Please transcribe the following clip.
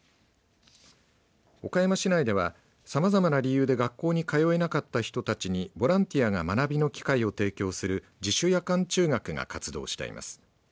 岡山市内ではさまざまな理由で学校に通えなかった人たちにボランティアが学びの機会を提供する自主夜間中学が活動しています。